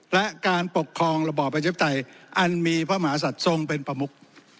และการปกครองระบอบประชาธิปไตยอันมีพระมหาศัตริย์ทรงเป็นประมุก